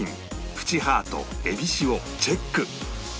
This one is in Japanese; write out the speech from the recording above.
プチハートえびしおチェック